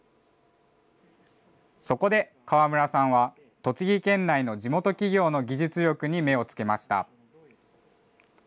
そこで河村さんは、栃木県内の地元企業の技術力に目をつけました。